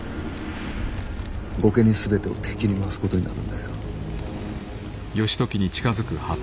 御家人全てを敵に回すことになるんだよ。